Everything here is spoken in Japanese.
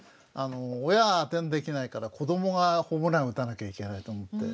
親は当てにできないから子どもがホームラン打たなきゃいけないと思って。